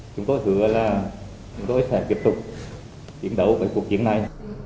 chúng tôi hứa là chúng tôi sẽ tiếp tục tiến đấu với cuộc chiến này